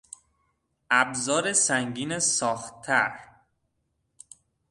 ابزار سنگین ساختتر